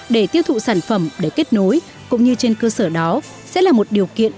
để tiêu thụ sản phẩm để kết nối cũng như trên cơ sở đó sẽ là một điều kiện